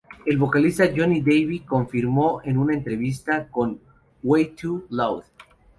El vocalista Jonny Davy confirmó en una entrevista con "Way Too Loud!